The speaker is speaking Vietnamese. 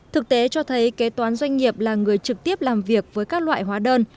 thực tế cho thấy kế toán doanh nghiệp là người trực tiếp làm việc với các loại hóa đơn